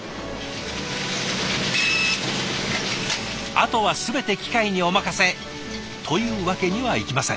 あとは全て機械にお任せというわけにはいきません。